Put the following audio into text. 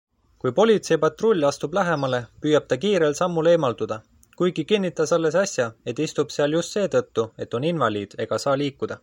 Kui politseipatrull astub lähemale, püüab ta kiirel sammul eemalduda, kuigi kinnitas alles äsja, et istub seal just seetõttu, et on invaliid ega saa liikuda.